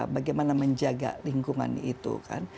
bagaimana menjaga lingkungan itu